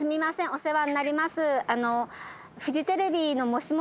お世話になります。